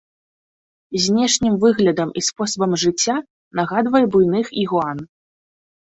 Знешнім выглядам і спосабам жыцця нагадвае буйных ігуан.